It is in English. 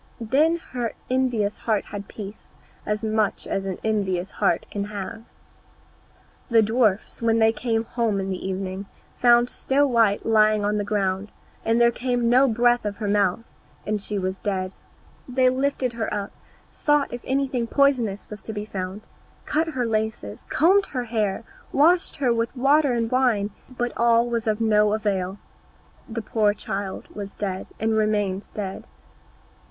Then her envious heart had peace, as much as an envious heart can have. The dwarfs, when they came home in the evening, found Snow white lying on the ground, and there came no breath out of her mouth, and she was dead. They lifted her up, sought if anything poisonous was to be found, cut her laces, combed her hair, washed her with water and wine, but all was of no avail, the poor child was dead, and remained dead.